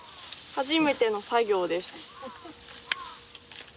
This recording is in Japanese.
初めての作業です。